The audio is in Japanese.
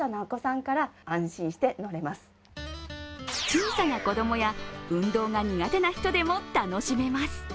小さな子供や運動が苦手な人でも楽しめます。